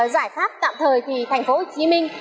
giải pháp tạm thời thì thành phố hồ chí minh